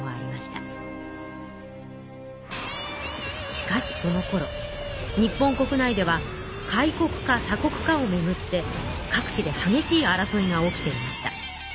しかしそのころ日本国内では開国か鎖国かをめぐって各地ではげしい争いが起きていました。